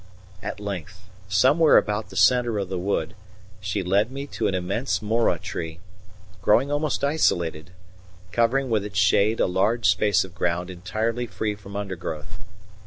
At length, somewhere about the centre of the wood, she led me to an immense mora tree, growing almost isolated, covering with its shade a large space of ground entirely free from undergrowth.